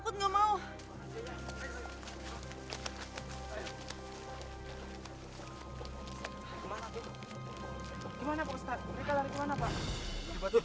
kita sembunyi disini dulu deh